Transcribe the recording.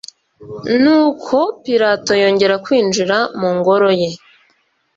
nuko pilato yongera kwinjira mu ngoro ye